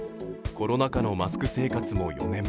コロナ禍のマスク生活も４年目。